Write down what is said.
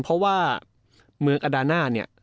เพราะว่าเมืองอดานะ